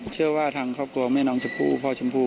เชื่อว่าทางครอบครัวแม่น้องชมพู่พ่อชมพู่